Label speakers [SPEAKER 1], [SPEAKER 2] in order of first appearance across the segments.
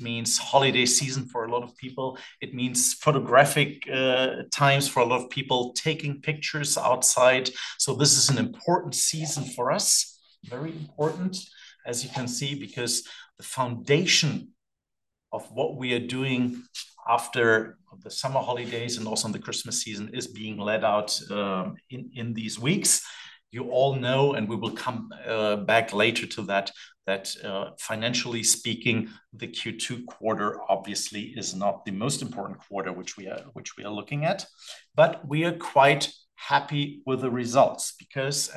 [SPEAKER 1] Means holiday season for a lot of people. It means photographic times for a lot of people, taking pictures outside. This is an important season for us, very important, as you can see, because the foundation of what we are doing after the summer holidays and also on the Christmas season is being laid out in these weeks. You all know, and we will come back later to that financially speaking, the Q2 quarter obviously is not the most important quarter which we are looking at. We are quite happy with the results because.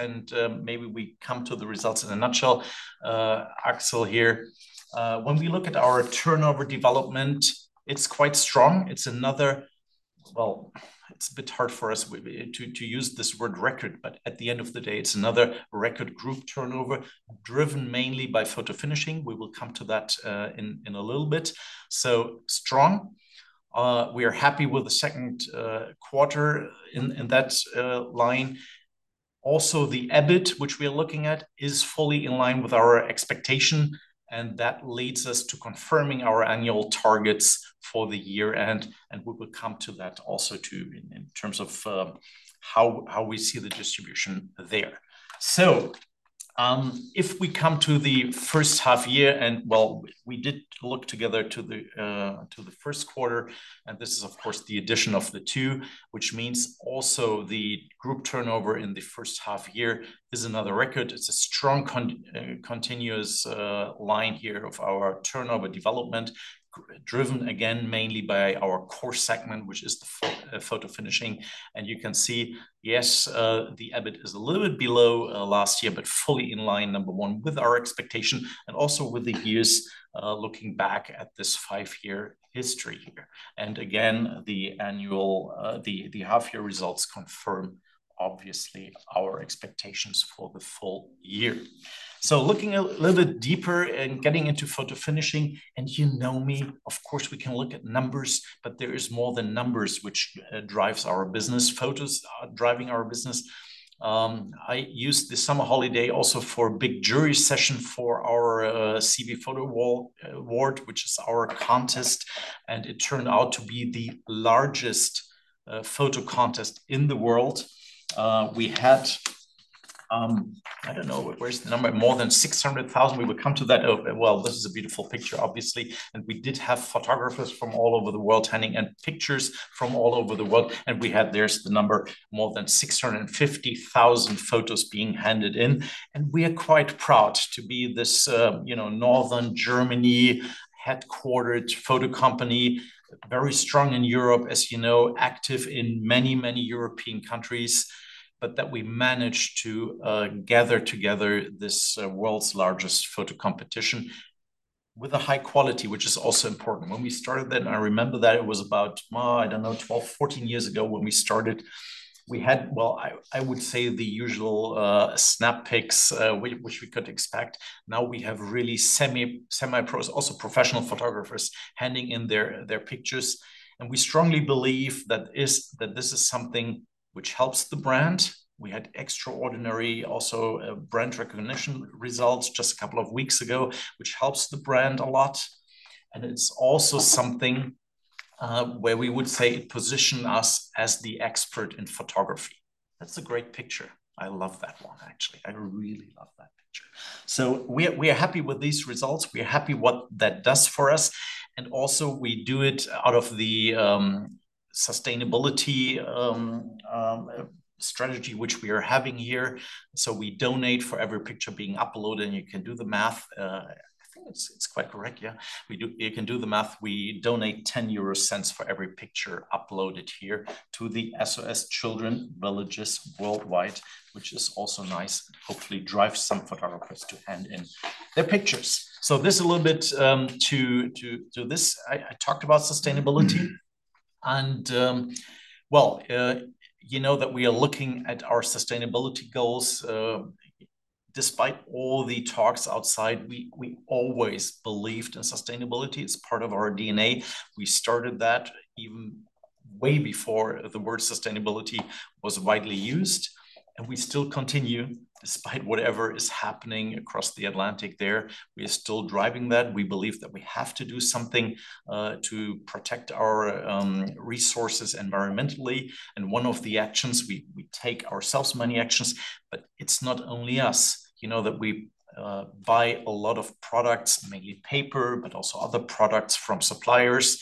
[SPEAKER 1] Maybe we come to the results in a nutshell, Axel here. When we look at our turnover development, it's quite strong. It's a bit hard for us to use this word record, but at the end of the day, it's another record group turnover driven mainly by photofinishing. We will come to that in a little bit. Strong, we are happy with the second quarter in that line. The EBIT, which we are looking at, is fully in line with our expectation, that leads us to confirming our annual targets for the year-end, we will come to that also too in terms of how we see the distribution there. If we come to the first half year, we did look together to the first quarter. This is of course the addition of the two, which means also the group turnover in the first half year is another record. It's a strong continuous line here of our turnover development, driven again mainly by our core segment, which is the photofinishing. You can see, the EBIT is a little bit below last year, but fully in line, number one, with our expectation and also with the years, looking back at this five-year history here. Again, the annual half-year results confirm obviously our expectations for the full year. Looking a little bit deeper and getting into photofinishing, and you know me, of course we can look at numbers, but there is more than numbers which drives our business. Photos are driving our business. I used the summer holiday also for a big jury session for our CEWE Photo Award, which is our contest, and it turned out to be the largest photo contest in the world. We had, I don't know. Where's the number? More than 600,000. We will come to that. Oh, well, this is a beautiful picture obviously. We did have photographers from all over the world handing in pictures from all over the world. We had, there's the number, more than 650,000 photos being handed in. We are quite proud to be this, you know, Northern Germany headquartered photo company, very strong in Europe, as you know, active in many, many European countries, but that we managed to gather together this world's largest photo competition with a high quality, which is also important. When we started then, I remember that it was about, I don't know, 12, 14 years ago when we started. We had, well, I would say the usual, snap pics, which we could expect. Now we have really semi-pros, also professional photographers handing in their pictures, and we strongly believe that this is something which helps the brand. We had extraordinary also, brand recognition results just a couple of weeks ago, which helps the brand a lot. It's also something where we would say position us as the expert in photography. That's a great picture. I love that one actually. I really love that picture. We are happy with these results. We are happy what that does for us. We do it out of the sustainability strategy which we are having here. We donate for every picture being uploaded, and you can do the math. I think it's quite correct, yeah. You can do the math. We donate 0.10 for every picture uploaded here to the SOS Children's Villages worldwide, which is also nice, and hopefully drive some photographers to hand in their pictures. This a little bit to this. I talked about sustainability and, well, you know that we are looking at our sustainability goals. Despite all the talks outside, we always believed in sustainability. It's part of our DNA. We started that even way before the word sustainability was widely used, and we still continue despite whatever is happening across the Atlantic there. We are still driving that. We believe that we have to do something to protect our resources environmentally. One of the actions, we take ourselves many actions, but it's not only us. You know that we buy a lot of products, mainly paper, but also other products from suppliers.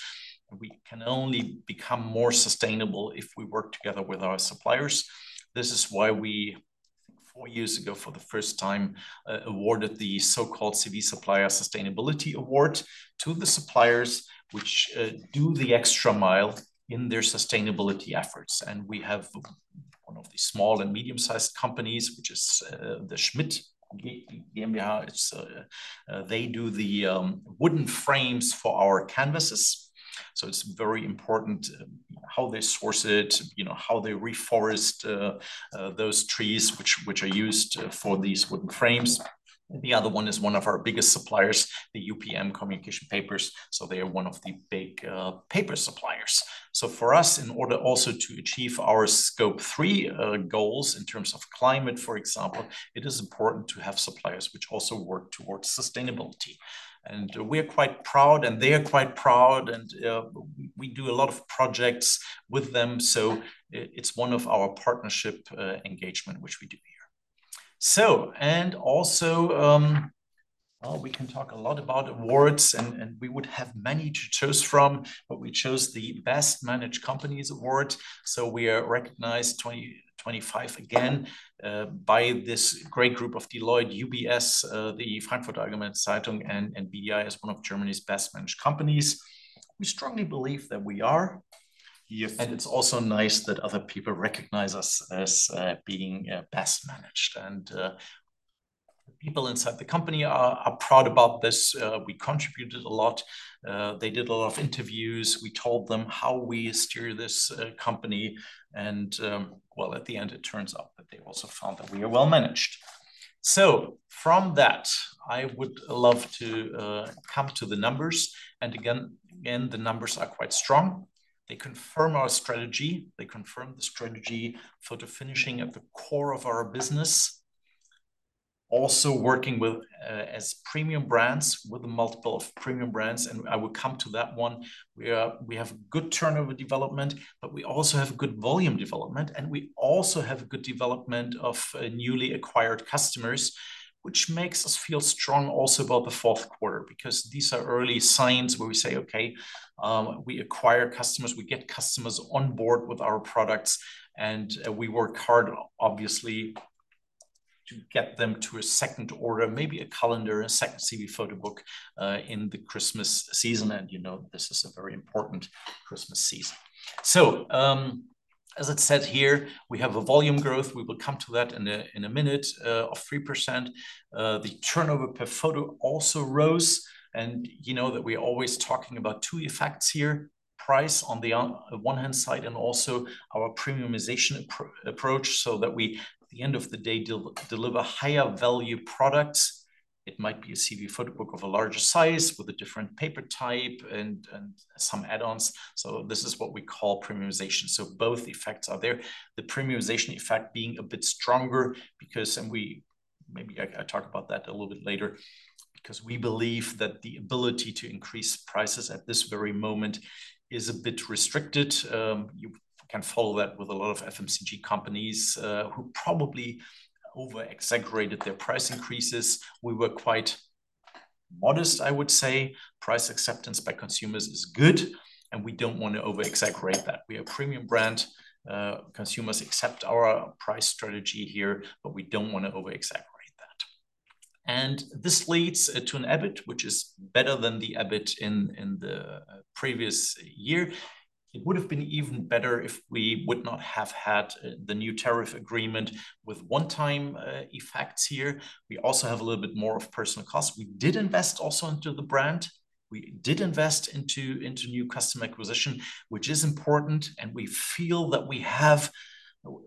[SPEAKER 1] We can only become more sustainable if we work together with our suppliers. This is why we, I think four years ago, for the first time, awarded the so-called CEWE Supplier Sustainability Award to the suppliers which do the extra mile in their sustainability efforts. We have one of the small and medium sized companies, which is the Schmidt GmbH. It's, they do the wooden frames for our canvases. It's very important how they source it, you know, how they reforest those trees which are used for these wooden frames. The other one is one of our biggest suppliers, the UPM Communication Papers. They are one of the big paper suppliers. For us, in order also to achieve our Scope 3 goals in terms of climate, for example, it is important to have suppliers which also work towards sustainability. We are quite proud, and they are quite proud, and we do a lot of projects with them. It's one of our partnership engagement which we do here. We can talk a lot about awards and we would have many to choose from, but we chose the Best Managed Companies award. We are recognized 2025 again by this great group of Deloitte, UBS, the Frankfurter Allgemeine Zeitung, and BDI as one of Germany's best managed companies. We strongly believe that we are. Yes. It's also nice that other people recognize us as best managed. The people inside the company are proud about this. We contributed a lot. They did a lot of interviews. We told them how we steer this company and, well, at the end it turns out that they also found that we are well-managed. From that, I would love to come to the numbers. Again, the numbers are quite strong. They confirm our strategy. They confirm the strategy for the finishing at the core of our business. Also working with as premium brands with a multiple of premium brands, and I will come to that one. We, we have good turnover development, but we also have good volume development, and we also have a good development of newly acquired customers, which makes us feel strong also about the fourth quarter, because these are early signs where we say, "Okay, we acquire customers, we get customers on board with our products, and we work hard obviously to get them to a second order, maybe a calendar, a second CEWE PHOTOBOOK, in the Christmas season." You know, this is a very important Christmas season. As it said here, we have a volume growth, we will come to that in a, in a minute, of 3%. The turnover per photo also rose, and you know that we're always talking about two effects here, price on the one hand side and also our premiumization approach so that we at the end of the day deliver higher value products. It might be a CEWE PHOTOBOOK of a larger size with a different paper type and some add-ons. This is what we call premiumization. Both effects are there. The premiumization effect being a bit stronger. We, maybe I talk about that a little bit later, because we believe that the ability to increase prices at this very moment is a bit restricted. You can follow that with a lot of FMCG companies who probably over-exaggerated their price increases. We were quite modest, I would say. Price acceptance by consumers is good. We don't want to over-exaggerate that. We are a premium brand. Consumers accept our price strategy here. We don't want to over-exaggerate that. This leads to an EBIT which is better than the EBIT in the previous year. It would have been even better if we would not have had the new tariff agreement with one-time effects here. We also have a little bit more of personal costs. We did invest also into the brand. We did invest into new customer acquisition, which is important, and we feel that we have.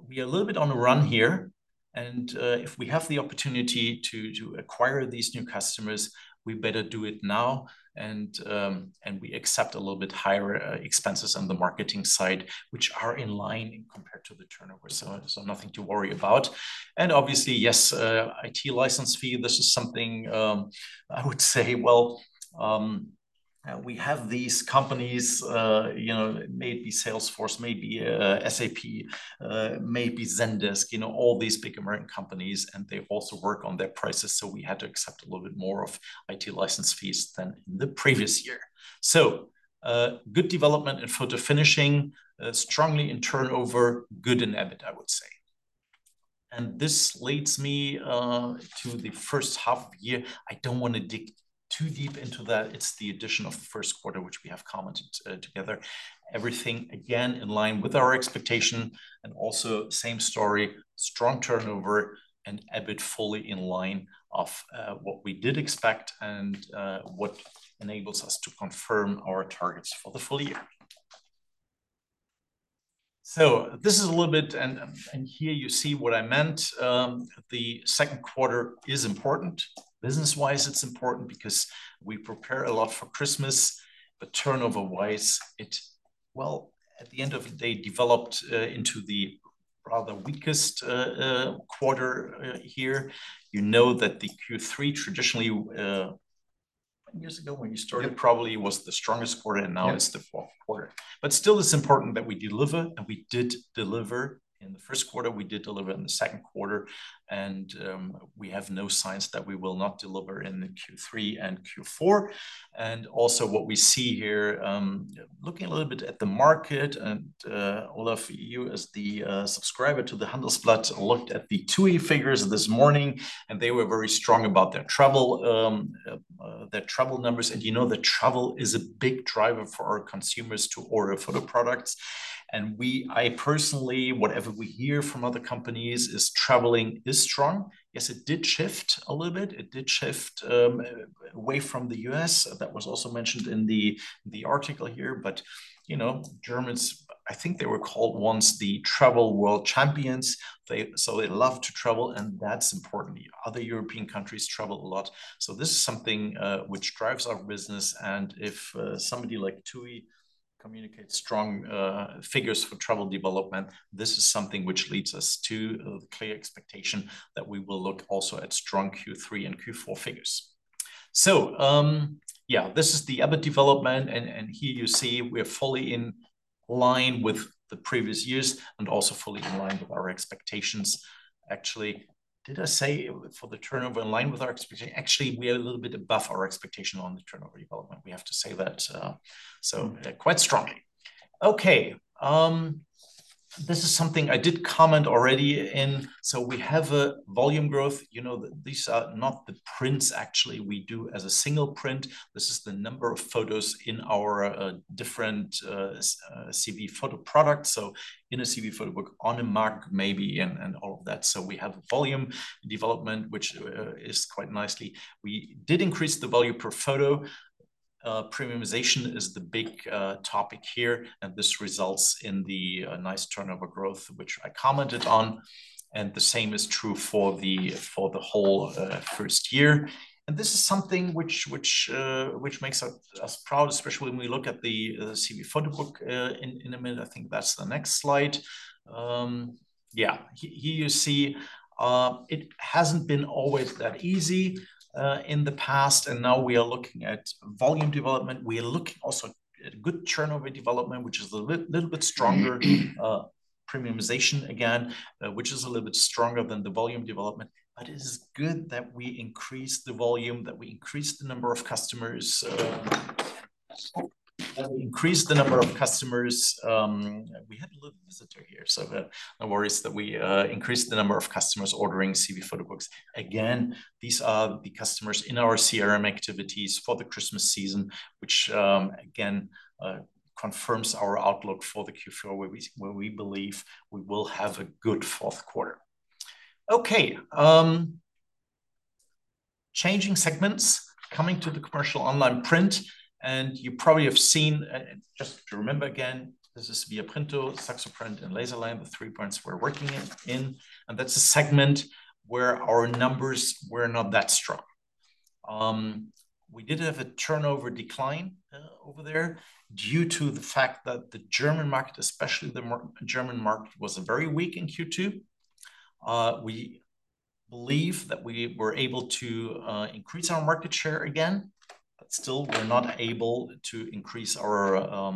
[SPEAKER 1] We are a little bit on a run here. If we have the opportunity to acquire these new customers, we better do it now. We accept a little bit higher expenses on the marketing side, which are in line compared to the turnover. So nothing to worry about. Obviously, yes, IT license fee, this is something I would say well, we have these companies, you know, may it be Salesforce, may it be SAP, may it be Zendesk, you know, all these big American companies, and they also work on their prices, so we had to accept a little bit more of IT license fees than the previous year. Good development in photofinishing, strongly in turnover, good in EBIT, I would say. This leads me to the first half of the year. I don't wanna dig too deep into that. It's the addition of the first quarter, which we have commented together. Everything again in line with our expectation, and also same story, strong turnover and EBIT fully in line of what we did expect and what enables us to confirm our targets for the full year. This is a little bit. Here you see what I meant. The second quarter is important. Business-wise, it's important because we prepare a lot for Christmas, but turnover-wise, it, well, at the end of the day, developed into the rather weakest quarter here. You know that the Q3 traditionally, years ago when you Yeah probably was the strongest quarter, and Yes it's the fourth quarter. Still it's important that we deliver, we did deliver in the first quarter, we did deliver in the second quarter, we have no signs that we will not deliver in the Q3 and Q4. Also what we see here, looking a little bit at the market, all of you as the subscriber to the Handelsblatt looked at the TUI figures this morning, and they were very strong about their travel, their travel numbers. You know that travel is a big driver for our consumers to order photo products. I personally, whatever we hear from other companies, is traveling is strong. Yes, it did shift a little bit. It did shift away from the U.S. That was also mentioned in the article here. You know, Germans, I think they were called once the travel world champions. They love to travel, and that's important. Other European countries travel a lot. This is something which drives our business, and if somebody like TUI communicates strong figures for travel development, this is something which leads us to a clear expectation that we will look also at strong Q3 and Q4 figures. This is the EBIT development. Here you see we're fully in line with the previous years and also fully in line with our expectations. Actually, did I say for the turnover in line with our expectation? Actually, we are a little bit above our expectation on the turnover development. We have to say that, quite strong. Okay. This is something I did comment already in. We have a volume growth. You know, these are not the prints actually we do as a single print. This is the number of photos in our different CEWE photo product. In a CEWE PHOTOBOOK on a mug maybe and all of that. We have volume development, which is quite nicely. We did increase the value per photo. Premiumization is the big topic here, and this results in the nice turnover growth, which I commented on. The same is true for the whole first year. This is something which makes us proud, especially when we look at the CEWE PHOTOBOOK in a minute. I think that's the next slide. Yeah. Here you see, it hasn't been always that easy in the past. Now we are looking at volume development. We are looking also at good turnover development, which is a little bit stronger, premiumization again, which is a little bit stronger than the volume development. It is good that we increase the volume, that we increase the number of customers, as we increase the number of customers. We had a little visitor here, no worries. That we increased the number of customers ordering CEWE PHOTOBOOKs. Again, these are the customers in our CRM activities for the Christmas season, which again confirms our outlook for the Q4, where we believe we will have a good fourth quarter. Okay. Changing segments, coming to the commercial online print. You probably have seen, just to remember again, this is viaprinto, SAXOPRINT and LASERLINE, the three prints we're working in. That's a segment where our numbers were not that strong. We did have a turnover decline over there due to the fact that the German market, especially the German market, was very weak in Q2. We believe that we were able to increase our market share again. Still, we're not able to increase our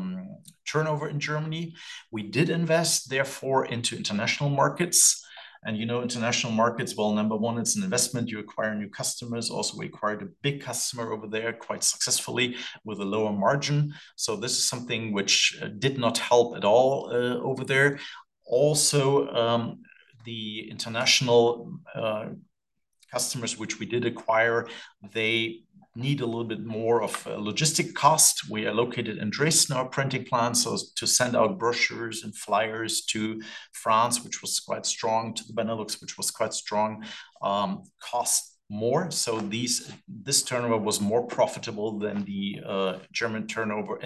[SPEAKER 1] turnover in Germany. We did invest therefore into international markets. You know international markets, well, number one, it's an investment. You acquire new customers. Also acquired a big customer over there quite successfully with a lower margin. This is something which did not help at all over there. Also, the international customers which we did acquire, they need a little bit more of a logistic cost. We are located in Dresden, our printing plant. To send out brochures and flyers to France, which was quite strong, to the Benelux, which was quite strong, cost more. This turnover was less profitable than the German turnover,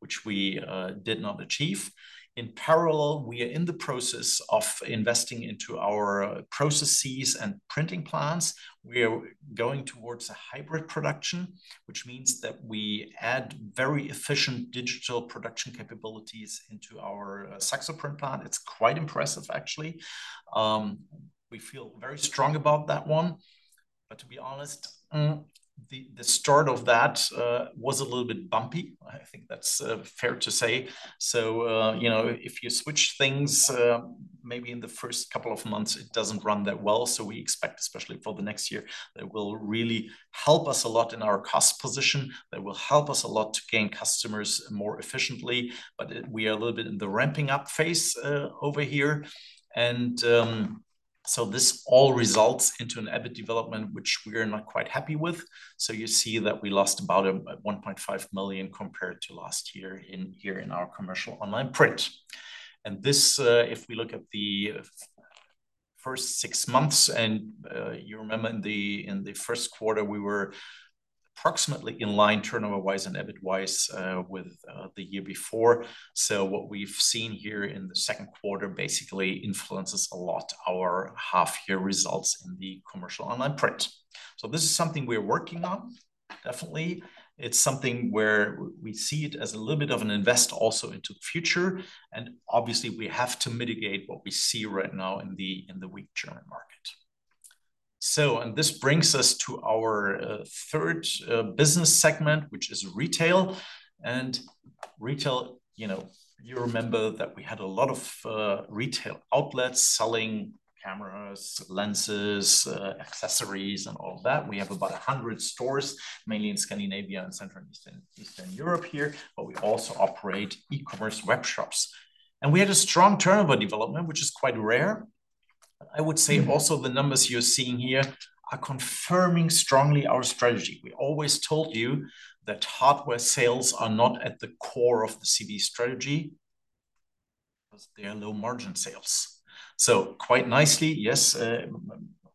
[SPEAKER 1] which we did not achieve. In parallel, we are in the process of investing into our processes and printing plants. We are going towards a hybrid production, which means that we add very efficient digital production capabilities into our SAXOPRINT plant. It's quite impressive actually. We feel very strong about that one. To be honest, the start of that was a little bit bumpy. I think that's fair to say. You know, if you switch things, maybe in the first couple of months, it doesn't run that well. We expect, especially for the next year, that will really help us a lot in our cost position, that will help us a lot to gain customers more efficiently. We are a little bit in the ramping up phase over here. This all results into an EBIT development, which we are not quite happy with. You see that we lost about 1.5 million compared to last year in our commercial online print. This, if we look at the first six months, and you remember in the first quarter, we were approximately in line turnover-wise and EBIT-wise with the year before. What we've seen here in the second quarter basically influences a lot our half year results in the commercial online print. This is something we're working on, definitely. It's something where we see it as a little bit of an invest also into the future. Obviously, we have to mitigate what we see right now in the weak German market. This brings us to our third business segment, which is Retail. Retail, you know, you remember that we had a lot of retail outlets selling cameras, lenses, accessories and all of that. We have about 100 stores, mainly in Scandinavia and Central Eastern Europe here, but we also operate e-commerce webshops. We had a strong turnover development, which is quite rare. I would say also the numbers you are seeing here are confirming strongly our strategy. We always told you that hardware sales are not at the core of the CEWE strategy because they are low margin sales. Quite nicely, yes,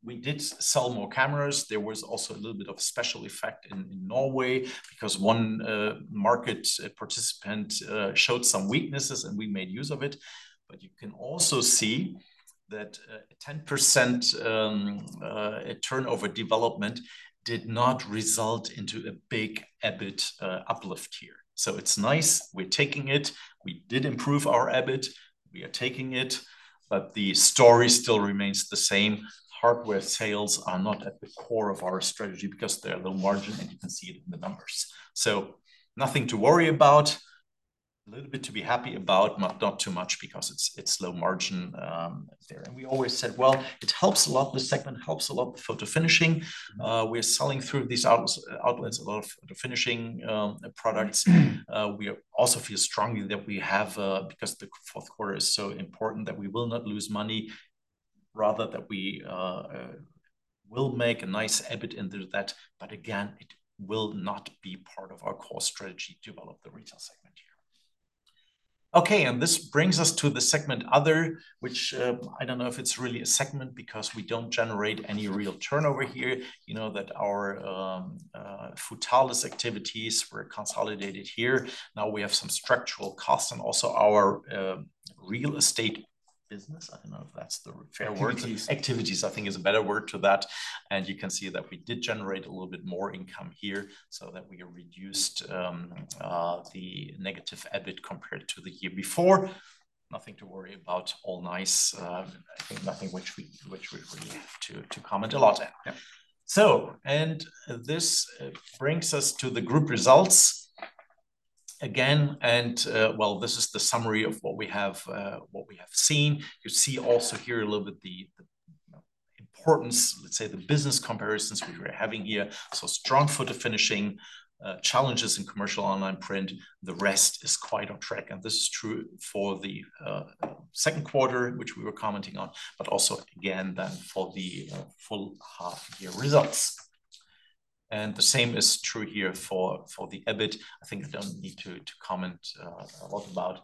[SPEAKER 1] we did sell more cameras. There was also a little bit of a special effect in Norway because one market participant showed some weaknesses, and we made use of it. You can also see that a 10% turnover development did not result into a big EBIT uplift here. It's nice. We're taking it. We did improve our EBIT. We are taking it. The story still remains the same. Hardware sales are not at the core of our strategy because they're low margin, and you can see it in the numbers. Nothing to worry about. A little bit to be happy about, not too much because it's low margin there. We always said, well, it helps a lot. The segment helps a lot with photofinishing. We're selling through these outlets a lot of photofinishing products. We also feel strongly that we have because the fourth quarter is so important, that we will not lose money, rather that we will make a nice EBIT into that. Again, it will not be part of our core strategy to develop the retail segment here. Okay. This brings us to the segment Other, which I don't know if it's really a segment because we don't generate any real turnover here. You know that our futales activities were consolidated here. Now we have some structural costs and also our real estate business. I don't know if that's the fair word.
[SPEAKER 2] Activities.
[SPEAKER 1] Activities, I think is a better word to that. You can see that we did generate a little bit more income here, so that we reduced the negative EBIT compared to the year before. Nothing to worry about, all nice. I think nothing which we have to comment a lot. Yeah. This brings us to the group results again. This is the summary of what we have what we have seen. You see also here a little bit the importance, let's say, the business comparisons we are having here. Strong photofinishing, challenges in commercial online print. The rest is quite on track. This is true for the second quarter, which we were commenting on, but also again then for the full half year results. The same is true here for the EBIT. I think I don't need to comment a lot about.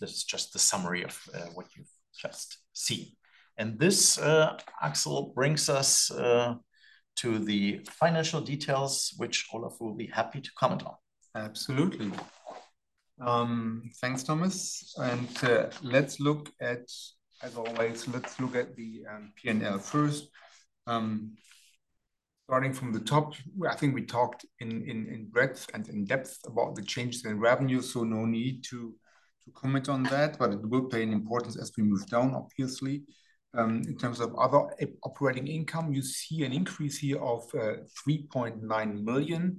[SPEAKER 1] This is just the summary of what you've just seen. This, Axel, brings us to the financial details, which Olaf will be happy to comment on.
[SPEAKER 2] Absolutely. Thanks, Thomas. Let's look at, as always, let's look at the P&L first. Starting from the top, I think we talked in breadth and in depth about the changes in revenue, so no need to comment on that. It will play an importance as we move down, obviously. In terms of other operating income, you see an increase here of 3.9 million,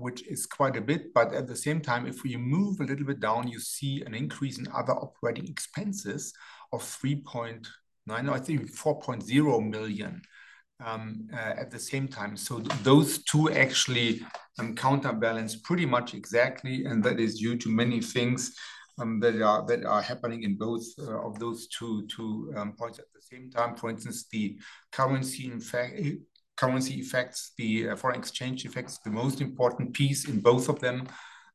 [SPEAKER 2] which is quite a bit. At the same time, if we move a little bit down, you see an increase in other operating expenses of 3.9, I think 4.0 million at the same time. Those two actually counterbalance pretty much exactly, and that is due to many things that are happening in both of those two points at the same time. For instance, the currency, in fact, currency effects, the foreign exchange effects, the most important piece in both of them.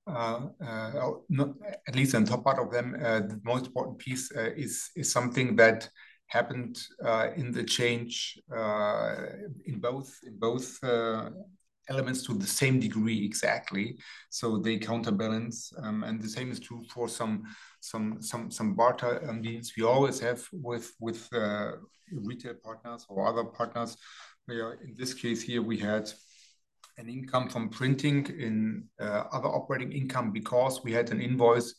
[SPEAKER 2] At least on top part of them, the most important piece is something that happened in the change in both elements to the same degree exactly, so they counterbalance. The same is true for some barter deals we always have with retail partners or other partners. We are, in this case here, we had an income from printing in other operating income because we had an invoice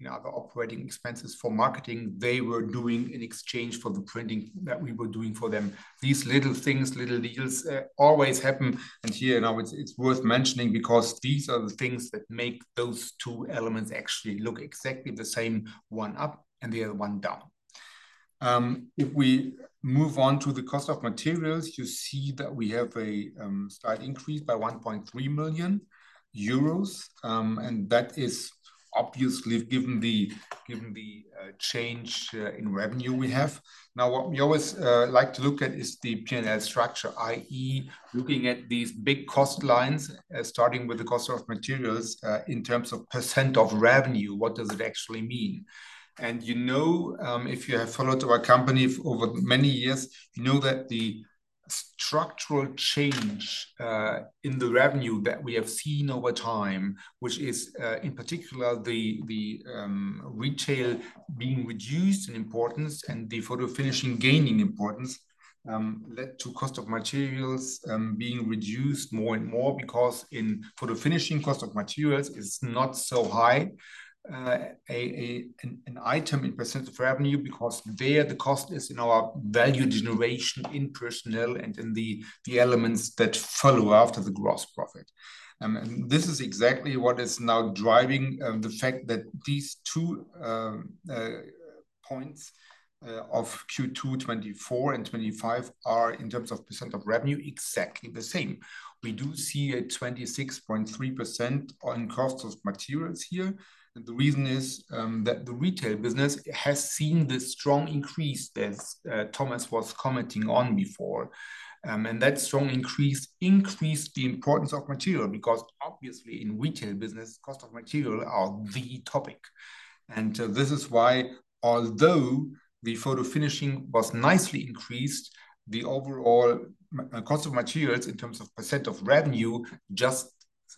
[SPEAKER 2] in other operating expenses for marketing they were doing in exchange for the printing that we were doing for them. These little things, little deals always happen. Here now, it's worth mentioning because these are the things that make those two elements actually look exactly the same, one up and the other one down. If we move on to the cost of materials, you see that we have a slight increase by 1.3 million euros. That is obviously given the change in revenue we have. What we always like to look at is the P&L structure, i.e. looking at these big cost lines, starting with the cost of materials, in terms of % of revenue, what does it actually mean? You know, if you have followed our company over many years, you know that the structural change in the revenue that we have seen over time, which is in particular the, retail being reduced in importance and the photofinishing gaining importance, led to cost of materials being reduced more and more, because in photofinishing, cost of materials is not so high an item in percentage of revenue because there the cost is in our value generation in personnel and in the elements that follow after the gross profit. This is exactly what is now driving the fact that these two points of Q2 2024 and 2025 are, in terms of percent of revenue, exactly the same. We do see a 26.3% on cost of materials here, the reason is that the retail business has seen this strong increase, as Thomas was commenting on before. That strong increase increased the importance of material because obviously in retail business, cost of material are the topic. This is why although the photofinishing was nicely increased, the overall cost of materials in terms of percent of revenue just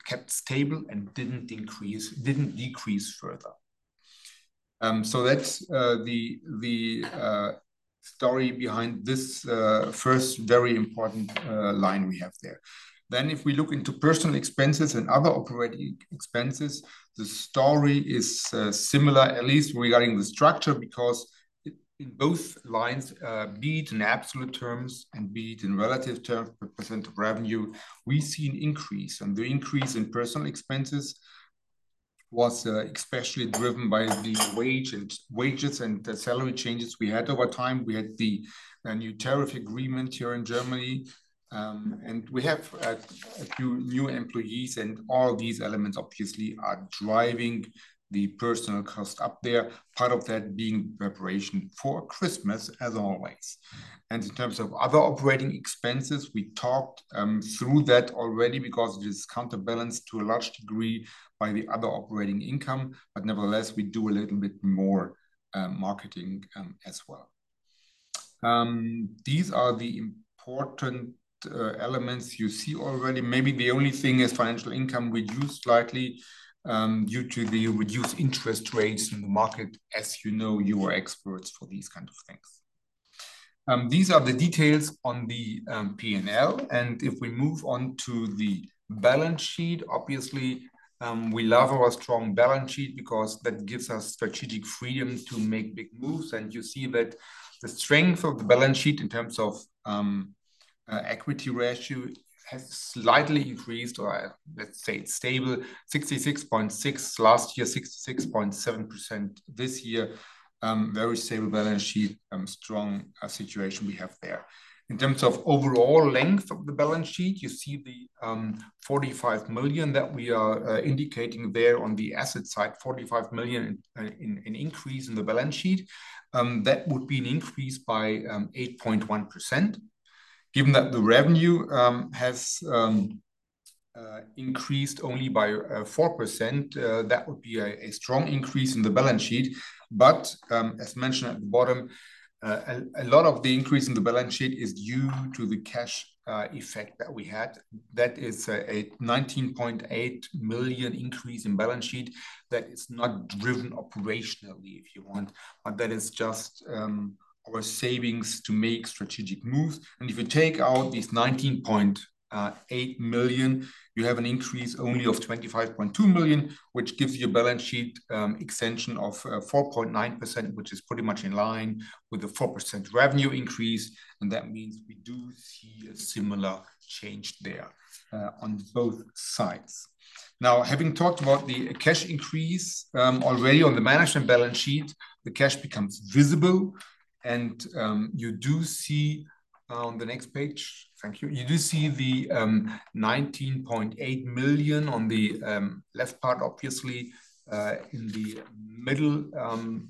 [SPEAKER 2] kept stable and didn't increase, didn't decrease further. That's the story behind this first very important line we have there. If we look into personal expenses and other operating expenses, the story is similar, at least regarding the structure, because in both lines, be it in absolute terms and be it in relative terms, percentage of revenue, we see an increase. The increase in personal expenses, Was especially driven by the wage and wages and the salary changes we had over time. We had a new tariff agreement here in Germany. We have a few new employees, and all these elements obviously are driving the personal cost up there, part of that being preparation for Christmas as always. In terms of other operating expenses, we talked through that already because it is counterbalanced to a large degree by the other operating income. Nevertheless, we do a little bit more marketing as well. These are the important elements you see already. Maybe the only thing is financial income reduced slightly due to the reduced interest rates in the market. As you know, you are experts for these kind of things. These are the details on the P&L. If we move on to the balance sheet, obviously, we love our strong balance sheet because that gives us strategic freedom to make big moves. You see that the strength of the balance sheet in terms of equity ratio has slightly increased or, let's say it's stable, 66.6% last year, 66.7% this year. Very stable balance sheet, strong situation we have there. In terms of overall length of the balance sheet, you see the 45 million that we are indicating there on the asset side. 45 million in increase in the balance sheet, that would be an increase by 8.1%. Given that the revenue has increased only by 4%, that would be a strong increase in the balance sheet. As mentioned at the bottom, a lot of the increase in the balance sheet is due to the cash effect that we had. That is a 19.8 million increase in balance sheet that is not driven operationally if you want, but that is just our savings to make strategic moves. If you take out this 19.8 million, you have an increase only of 25.2 million, which gives you a balance sheet extension of 4.9%, which is pretty much in line with the 4% revenue increase, and that means we do see a similar change there on both sides. Having talked about the cash increase, already on the management balance sheet, the cash becomes visible and you do see on the next page. Thank you. You do see the 19.8 million on the left part, obviously, in the middle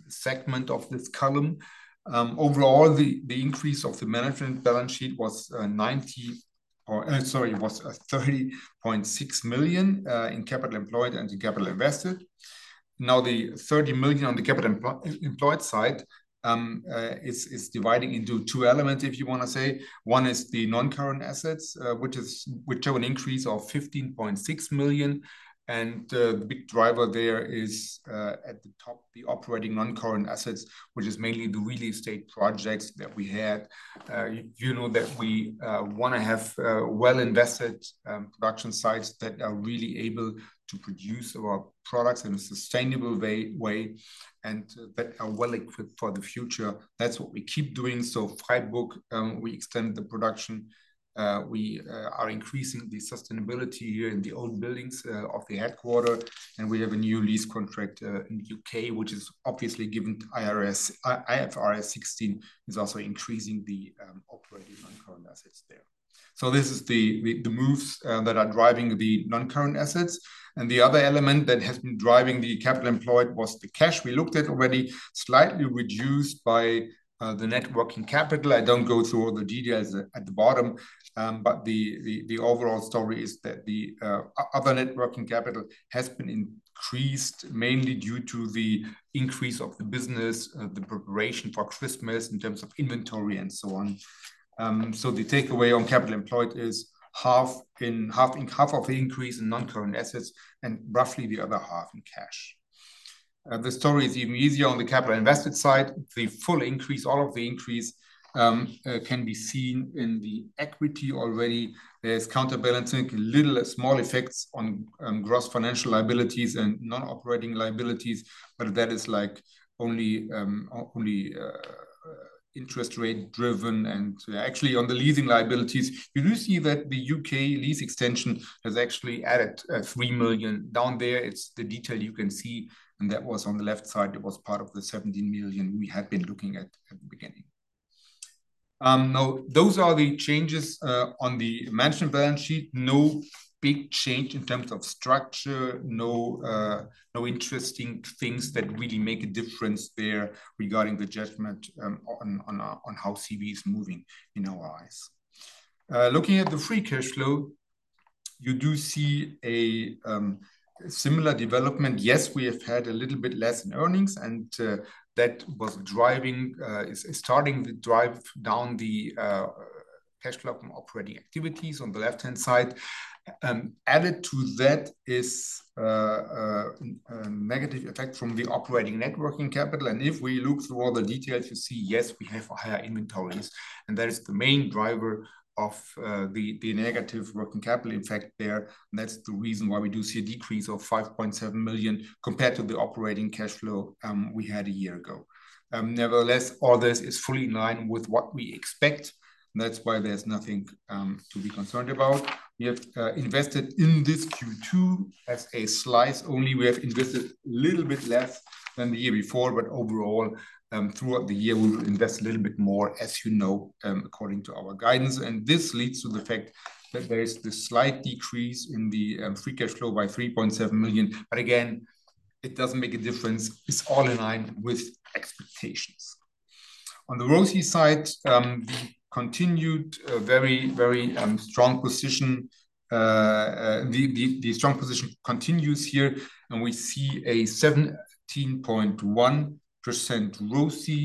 [SPEAKER 2] segment of this column. Overall, the increase of the management balance sheet was sorry, it was 30.6 million in capital employed and the capital invested. The 30 million on the capital employed side is dividing into two elements if you wanna say. One is the non-current assets, which show an increase of 15.6 million. The big driver there is at the top, the operating non-current assets, which is mainly the real estate projects that we had. You know that we wanna have well invested production sites that are really able to produce our products in a sustainable way and that are well equipped for the future. That's what we keep doing. Freiburg, we extend the production. We are increasing the sustainability here in the old buildings of the headquarter. We have a new lease contract in the U.K., which is obviously given to IFRS. IFRS 16 is also increasing the operating non-current assets there. This is the moves that are driving the non-current assets. The other element that has been driving the capital employed was the cash we looked at already, slightly reduced by the net working capital. I don't go through all the details at the bottom. The overall story is that the other net working capital has been increased mainly due to the increase of the business, the preparation for Christmas in terms of inventory and so on. The takeaway on capital employed is half of the increase in non-current assets and roughly the other half in cash. The story is even easier on the capital invested side. The full increase, all of the increase, can be seen in the equity already. There's counterbalancing little small effects on gross financial liabilities and non-operating liabilities, but that is like only interest rate driven and. Actually, on the leasing liabilities, you do see that the U.K. lease extension has actually added 3 million down there. It's the detail you can see, and that was on the left side. It was part of the 17 million we had been looking at at the beginning. Now, those are the changes on the management balance sheet. No big change in terms of structure. No, no interesting things that really make a difference there regarding the judgment on, on how CEWE is moving in our eyes. Looking at the free cash flow, you do see a similar development. Yes, we have had a little bit less in earnings, that is starting to drive down the cash flow from operating activities on the left-hand side. Added to that is a negative effect from the operating net working capital. If we look through all the details, you see, yes, we have higher inventories, and that is the main driver of the negative working capital. In fact, that's the reason why we do see a decrease of 5.7 million compared to the operating cash flow we had a year ago. Nevertheless, all this is fully in line with what we expect. That's why there's nothing to be concerned about. We have invested in this Q2 as a slice only. We have invested little bit less than the year before. Overall, throughout the year we will invest a little bit more, as you know, according to our guidance. This leads to the fact that there is this slight decrease in the free cash flow by 3.7 million. Again, it doesn't make a difference. It's all in line with expectations. On the ROCE side, we continued a very strong position. The strong position continues here. We see a 17.1% ROCE.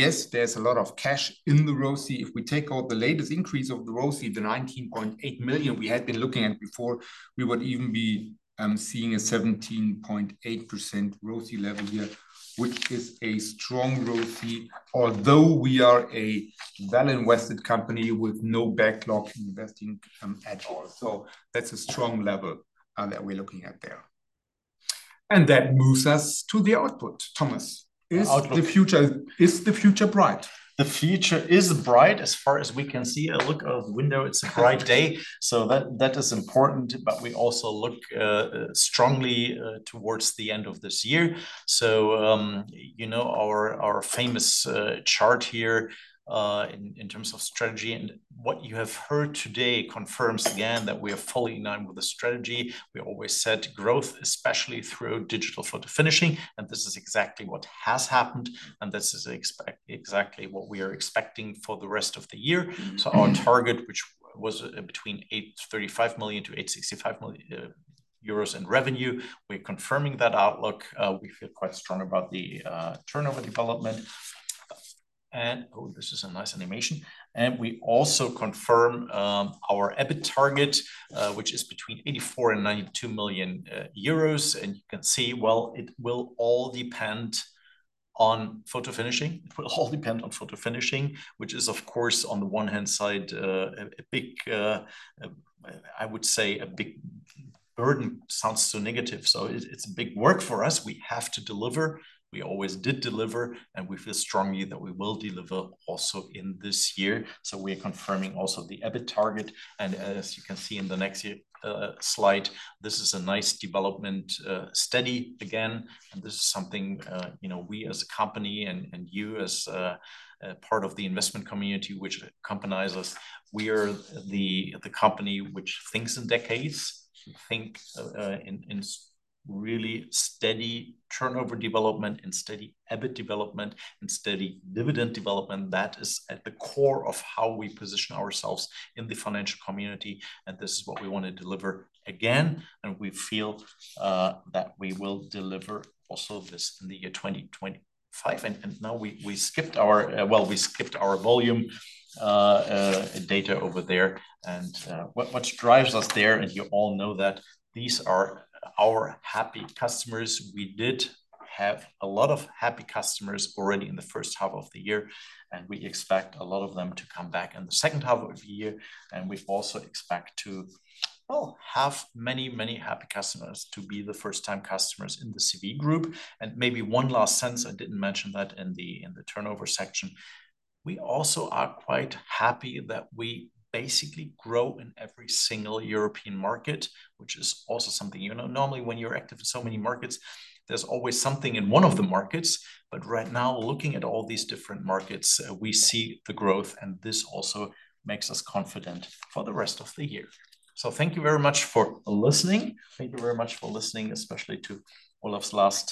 [SPEAKER 2] Yes, there's a lot of cash in the ROCE. If we take out the latest increase of the ROCE, the 19.8 million we had been looking at before, we would even be seeing a 17.8% ROCE level here, which is a strong ROCE. Although we are a well invested company with no backlog investing, at all. That's a strong level that we're looking at there. That moves us to the output, Thomas.
[SPEAKER 1] The output.
[SPEAKER 2] Is the future bright?
[SPEAKER 1] The future is bright as far as we can see. I look out of the window, it's a bright day. That is important. We also look strongly towards the end of this year. You know, our famous chart here in terms of strategy and what you have heard today confirms again that we are fully in line with the strategy. We always said growth, especially through digital photofinishing, and this is exactly what has happened, and this is exactly what we are expecting for the rest of the year. Our target, which was between 835 million-865 million euros in revenue, we are confirming that outlook. We feel quite strong about the turnover development. Oh, this is a nice animation. We also confirm our EBIT target, which is between 84 million and 92 million euros. You can see, it will all depend on photofinishing, which is of course on the one hand side, I would say a big burden. Sounds too negative. It's big work for us. We have to deliver. We always did deliver, and we feel strongly that we will deliver also in this year. We're confirming also the EBIT target. As you can see in the next slide, this is a nice development. Steady again. This is something, you know, we as a company and you as a part of the investment community which accompanies us, we are the company which thinks in decades, think really steady turnover development and steady EBIT development and steady dividend development. That is at the core of how we position ourselves in the financial community. This is what we wanna deliver again. We feel that we will deliver also this in the year 2025. Now we skipped our, well, we skipped our volume data over there. What drives us there, and you all know that these are our happy customers. We did have a lot of happy customers already in the first half of the year. We expect a lot of them to come back in the second half of the year. We also expect to, well, have many happy customers to be the first time customers in the CEWE Group. Maybe one last sentence, I didn't mention that in the turnover section. We also are quite happy that we basically grow in every single European market, which is also something. You know, normally when you're active in so many markets, there's always something in one of the markets. Right now, looking at all these different markets, we see the growth. This also makes us confident for the rest of the year. Thank you very much for listening. Thank you very much for listening, especially to Olaf.